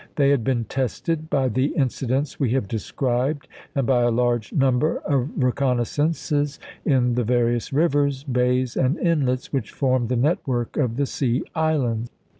They had been tested by the incidents we have described, and by a large number of recon naissances in the various rivers, bays, and inlets which formed the network of the Sea Islands.